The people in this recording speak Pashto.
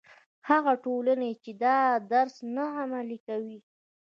هغه ټولنې چې دا درس نه عملي کوي.